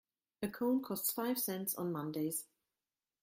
A cone costs five cents on Mondays.